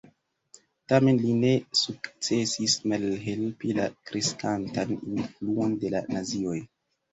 Tamen li ne sukcesis malhelpi la kreskantan influon de la nazioj.